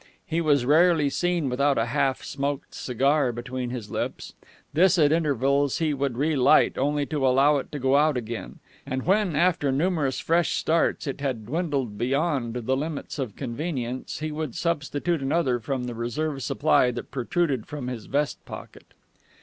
He was rarely seen without a half smoked cigar between his lips. This at intervals he would relight, only to allow it to go out again; and when, after numerous fresh starts, it had dwindled beyond the limits of convenience, he would substitute another from the reserve supply that protruded from his vest pocket.